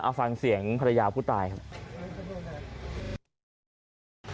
เอาฟังเสียงภรรยาผู้ตายครับ